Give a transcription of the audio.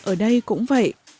ở đây cũng vậy